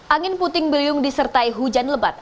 angin puting beliung disertai hujan lebat